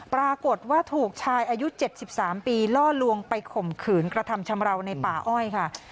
ปรากฏว่าถูกชายอายุ๗๓ปีล่อลวงไปข่มขืนกระทำชำราวในป่าอ้อยค่ะ